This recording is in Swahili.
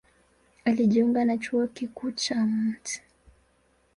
Alijiunga na Chuo Kikuu cha Mt.